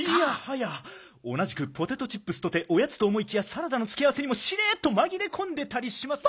いやはやおなじくポテトチップスとておやつとおもいきやサラダのつけあわせにもしれっとまぎれこんでたりします。